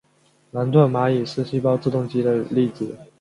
兰顿蚂蚁是细胞自动机的例子。